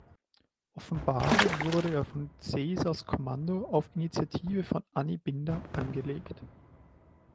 Offenbar wurde er von Caesars Kommando auf Initiative von Anni Binder angelegt.